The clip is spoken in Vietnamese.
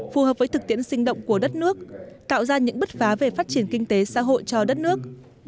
phù hợp với thực tiễn sinh động của đất nước tạo ra những bứt phá về phát triển kinh tế xã hội cho đất nước